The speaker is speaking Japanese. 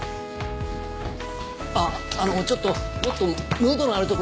あっあのちょっともっとムードのあるところが。